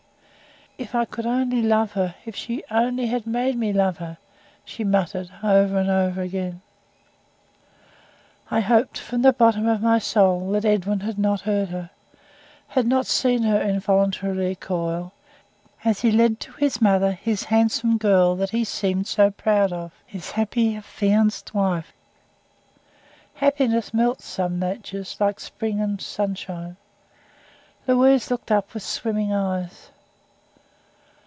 "If I could only love her! If only she had made me love her!" she muttered, over and over again. I hoped, from the bottom of my soul, that Edwin had not heard her had not seen her involuntarily recoil, as he led to his mother his handsome girl that he seemed so proud of, his happy, affianced wife. Happiness melts some natures, like spring and sunshine. Louise looked up with swimming eyes.